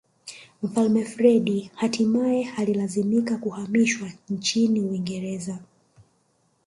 Mfalme Freddie hatimae alilazimika kuhamishwa nchini Uingereza